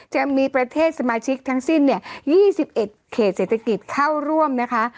จะมีประเทศสมาชิกทั้งสิ้นเนี่ย๒๑เขตเศรษฐกิจเข้าร่วมนะคะ